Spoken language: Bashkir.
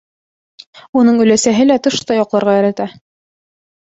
Уның өләсәһе лә тышта йоҡларға ярата.